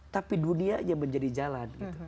tapi dunianya menjadi jalan